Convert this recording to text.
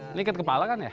ini ikat kepala kan ya